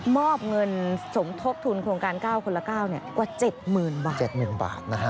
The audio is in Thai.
มอบเงินสมทบทุนโครงการ๙คนละ๙กว่า๗๐๐บาท๗๐๐บาท